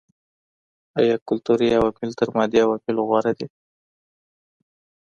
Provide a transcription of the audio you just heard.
آيا کلتوري عوامل تر مادي عواملو غوره دي؟